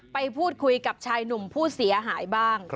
ไปพูดคุยกับชายหนุ่มผู้เสียหายบ้าง